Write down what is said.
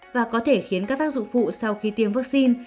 và có thể khiến các tác dụng phụ sau khi tiêm vaccine